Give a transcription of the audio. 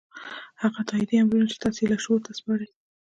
هغه تايیدي امرونه چې تاسې یې لاشعور ته سپارئ